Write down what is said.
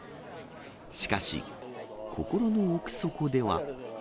しかし、心の奥底では。